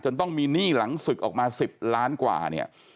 ต้องมีหนี้หลังศึกออกมา๑๐ล้านกว่าเนี่ย